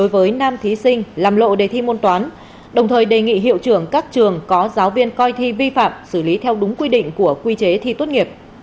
với nam thí sinh làm lộ đề thi môn toán đồng thời đề nghị hiệu trưởng các trường có giáo viên coi thi vi phạm xử lý theo đúng quy định của quy chế thi tốt nghiệp